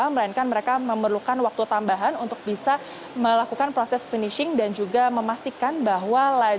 melainkan mereka memerlukan waktu tambahan untuk bisa melakukan proses finishing dan juga memastikan bahwa